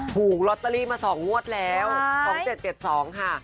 ถูกลอตเตอรี่มา๒งวดแล้ว๒๗๗๒ค่ะ